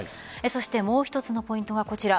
そしてもう１つのポイントはこちら。